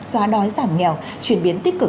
xóa đói giảm nghèo chuyển biến tích cực